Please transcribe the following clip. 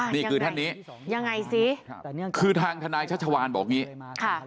นี่คือท่านนี้ยังไงสิคือทางทนายชัชวานบอกอย่างนี้ค่ะ